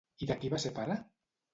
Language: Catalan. I de qui va ser pare?